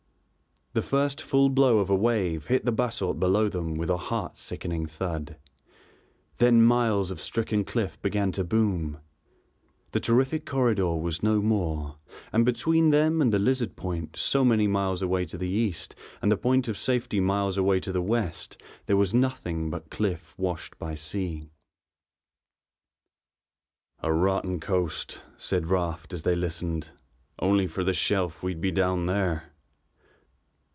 The first full blow of a wave hit the basalt below them with a heart sickening thud; then miles of stricken cliff began to boom. The terrific corridor was no more, and between them and the Lizard point so many miles away to the east and the point of safety miles away to the west, there was nothing but cliff washed by sea. "A rotten coast," said Raft as they listened. "Only for this shelf we'd be down there."